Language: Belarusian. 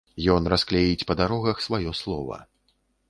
Ён расклеіць па дарогах сваё слова.